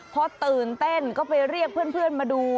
พอตื่นเต้นก็ไปเรียกเพื่อนมาดู